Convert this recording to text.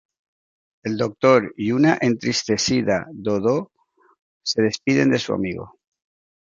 El Doctor y una entristecida Dodo se despiden de su amigo.